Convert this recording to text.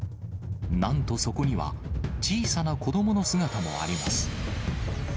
なんとそこには、小さな子どもの姿もあります。